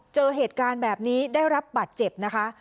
เจอเหตุการณ์แบบนี้ได้รับบัตรเจ็บนะคะ